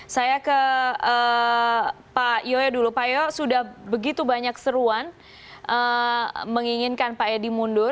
saya ke pak yoyo dulu pak yoyo sudah begitu banyak seruan menginginkan pak edi mundur